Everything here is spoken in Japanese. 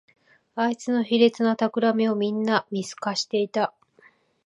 あいつの卑劣なたくらみをみんな見透かしていた